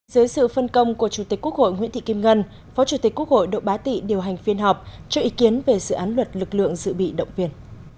dưới sự phân công của chủ tịch quốc hội nguyễn thị kim ngân phó chủ tịch quốc hội độ bá tị điều hành phiên họp cho ý kiến về dự án luật lực lượng dự bị động viên